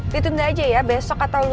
ditunggu aja ya besok atau lusa gitu